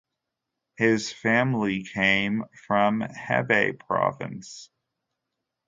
His family came from Hebei Province.